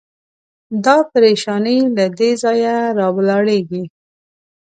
دا پرېشاني له دې ځایه راولاړېږي.